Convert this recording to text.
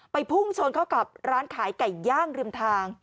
พุ่งชนเข้ากับร้านขายไก่ย่างริมทาง